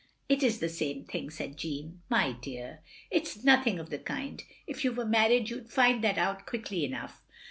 " It is the same thing, " said Jeanne. "My dear! It's nothing of the kind. If you were married you 'd find that out quickly enough!